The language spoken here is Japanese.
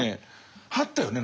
あったよね